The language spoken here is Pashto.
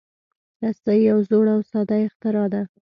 رسۍ یو زوړ او ساده اختراع ده.